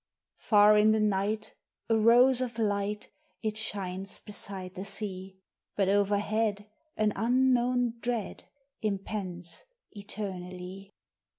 Far in the night, a rose of light It shines beside the sea; But overhead an unknown dread Impends eternally.